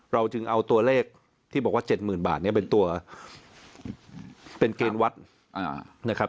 เราจึงเอาตัวเลขที่บอกว่า๗๐๐๐บาทเนี่ยเป็นเกณฑ์วัดนะครับ